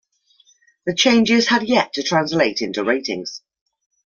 The changes had yet to translate into ratings.